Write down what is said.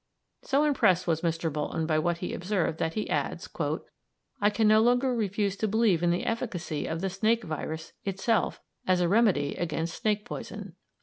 So impressed was Mr. Bolton by what he observed that he adds: "I can no longer refuse to believe in the efficacy of the snake virus itself as a remedy against snake poison."